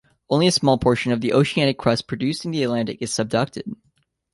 Only a small portion of the oceanic crust produced in the Atlantic is subducted.